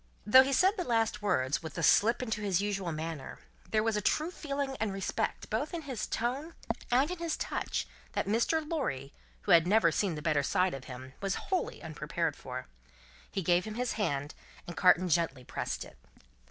Though he said the last words, with a slip into his usual manner, there was a true feeling and respect both in his tone and in his touch, that Mr. Lorry, who had never seen the better side of him, was wholly unprepared for. He gave him his hand, and Carton gently pressed it.